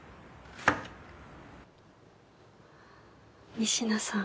仁科さん